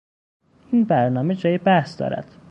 این برنامه جای بحث دارد.